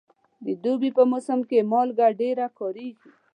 د دوبي په موسم کې مالګه ډېره کارېږي.